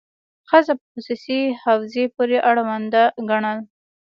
ښځه په خصوصي حوزې پورې اړونده ګڼل.